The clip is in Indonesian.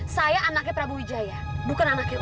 saya anaknya prabu wijaya bukan anaknya